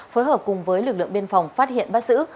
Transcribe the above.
phối hợp cùng với lực lượng biên phòng phát hiện bắt giữ